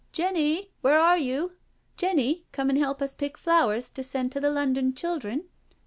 " Jenny, where are you? Jenny, come and help us pick flowers to send to the London children?"